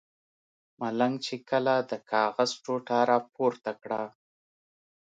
ملنګ چې کله د کاغذ ټوټه را پورته کړه.